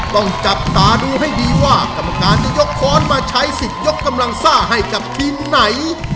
ต้องจับตาดูให้ดีว่ากรรมการจะยกค้อนมาใช้สิทธิ์ยกกำลังซ่าให้กับทีมไหน